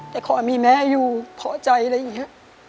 แต่ขอมีแม่อยู่พอใจอะไรอย่างนี้